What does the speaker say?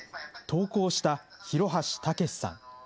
投稿した廣橋猛さん。